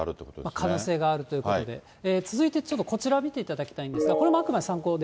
可能性があるということで、続いてちょっとこちら見ていただきたいんですが、これもあくまで参考で。